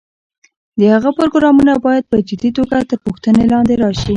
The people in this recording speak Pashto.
د هغه پروګرامونه باید په جدي توګه تر پوښتنې لاندې راشي.